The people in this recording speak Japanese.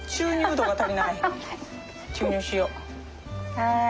はい。